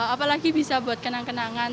apalagi bisa buat kenang kenangan